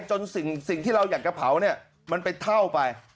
สิ่งที่เราอยากจะเผาเนี่ยมันไปเท่าไป